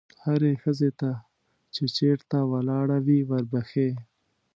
هرې ښځې ته چې چېرته ولاړه وي وربښې.